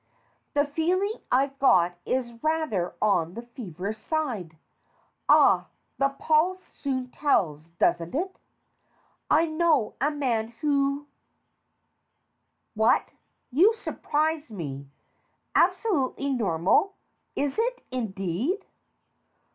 The feeling I've got is rather on the feverish side. Ah! the pulse soon tells, don't it? I know a man who THE DIFFICULT CASE 211 What? You surprise me. Absolutely normal? Is it, indeed?